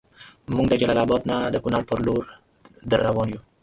مونږ د جلال اباد نه د کونړ پر لور دروان یو